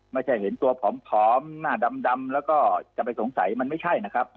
ไม่ใช่เห็นตัวผอมหน้าดำแล้วก็จะไปสงสัยมันไม่ใช่นะครับ